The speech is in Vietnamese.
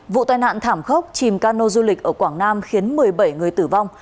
vụ tai nạn thảm khốc chìm cano du lịch ở quảng nam khiến một mươi bảy người tử vong